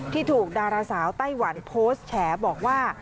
ที่ถูกดาราสาวไต้หวันโพสต์แฉบอกว่า